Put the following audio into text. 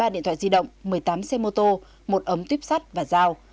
một mươi ba điện thoại di động một mươi tám xe mô tô một ấm tuyếp sắt và dao